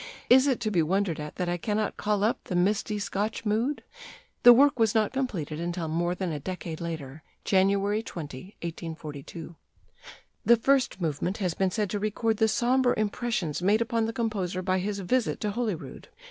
Is it to be wondered at that I cannot call up the misty Scotch mood?" The work was not completed until more than a decade later January 20, 1842. The first movement has been said to record the sombre impressions made upon the composer by his visit to Holyrood.